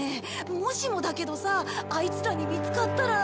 もしもだけどさアイツらに見つかったら。